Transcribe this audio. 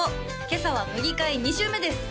今朝は乃木回２週目です